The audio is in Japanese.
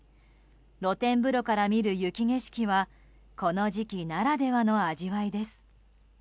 露天風呂から見る雪景色はこの時期ならではの味わいです。